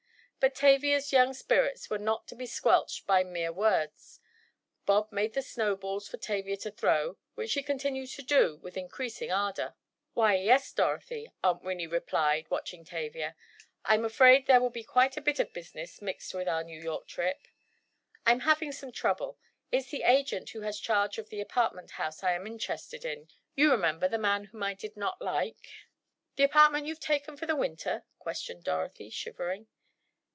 But Tavia's young spirits were not to be squelched by mere words; Bob made the snow balls for Tavia to throw, which she continued to do with unceasing ardor. "Why, yes, Dorothy," Aunt Winnie replied, watching Tavia. "I'm afraid there will be quite a bit of business mixed with our New York trip. I'm having some trouble. It's the agent who has charge of the apartment house I am interested in—you remember, the man whom I did not like." "The apartment you've taken for the Winter?" questioned Dorothy, shivering.